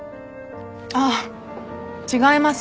あっ違います。